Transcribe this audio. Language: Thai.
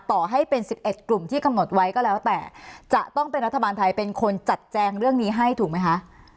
ต่อให้เป็น๑๑กลุ่มที่กำหนดไว้ก็แล้วแต่จะต้องเป็นรัฐบาลไทยเป็นคนจัดแจงเรื่องนี้ให้ถูกไหมคะ